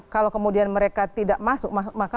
kalau kemudian mereka tidak masuk maka